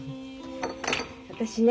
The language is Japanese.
私ね